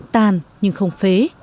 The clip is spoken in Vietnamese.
tàn nhưng không phế